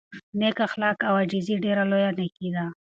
نېک اخلاق او عاجزي ډېره لویه نېکي ده.